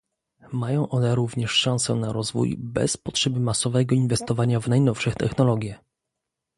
Mają one również szansę na rozwój bez potrzeby masowego inwestowania w najnowsze technologie